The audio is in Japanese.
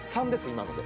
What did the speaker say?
今ので。